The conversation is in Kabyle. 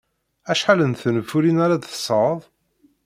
Acḥal n tenfulin ara d-tesɣed?